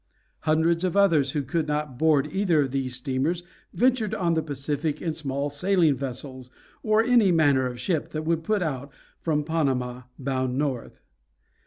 Hundreds of others who could not board either of these steamers ventured on the Pacific in small sailing vessels, or any manner of ship that would put out from Panama bound north.